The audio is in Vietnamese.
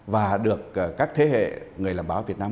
và được các thế hệ người làm báo việt nam